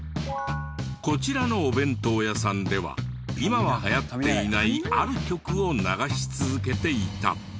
こちらのお弁当屋さんでは今は流行っていないある曲を流し続けていた。